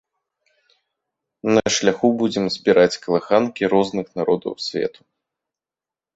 На шляху будзем збіраць калыханкі розных народаў свету.